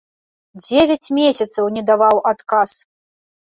Дзевяць месяцаў не даваў адказ!